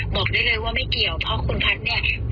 บอกได้เลยว่าไม่เกี่ยวเพราะคุณแพทย์เนี่ย